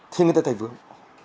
thì người ta thấy vướng